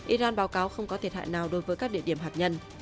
iran báo cáo không có thiệt hại nào đối với các địa điểm hạt nhân